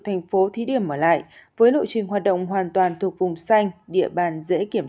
thành phố thí điểm ở lại với lộ trình hoạt động hoàn toàn thuộc vùng xanh địa bàn dễ kiểm